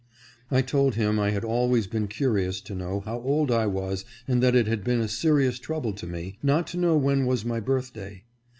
I told him I had always been curious to know how old I was and that it had been a serious trouble to me, not to know when was my birthday.